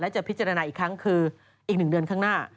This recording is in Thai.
จะพิจารณาอีกครั้งคืออีก๑เดือนข้างหน้า